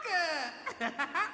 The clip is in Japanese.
ハハハハ。